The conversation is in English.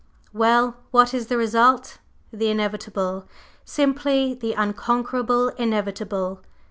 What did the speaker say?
Well, what is the result? The Inevitable, simply the unconquerable Inevitable.